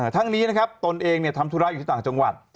ทั้งนี้นะครับตนเองทำธุระอยู่ที่ต่างจังหวัด